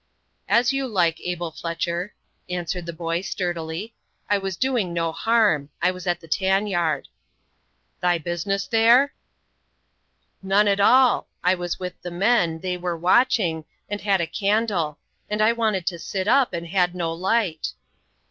"As you like, Abel Fletcher," answered the boy, sturdily. "I was doing no harm. I was in the tan yard." "Thy business there?" "None at all. I was with the men they were watching, and had a candle; and I wanted to sit up, and had no light."